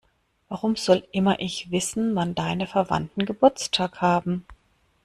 Warum soll immer ich wissen, wann deine Verwandten Geburtstag haben?